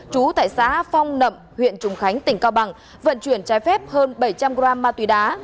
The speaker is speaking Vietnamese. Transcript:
trú tại xã phong nậm huyện trùng khánh tỉnh cao bằng vận chuyển trái phép hơn bảy trăm linh g ma túy đá